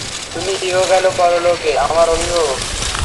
তুমিই ইহলোক ও পরলোকে আমার অভিভাবক।